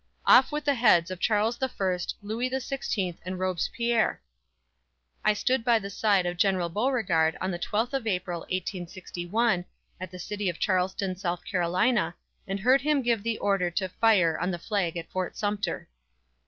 Off with the heads of Charles the First, Louis the Sixteenth and Robespierre! I stood by the side of GENERAL BEAUREGARD on the 12th of April, 1861, at the city of Charleston, South Carolina, and heard him give the order to "fire" on the flag at Fort Sumter.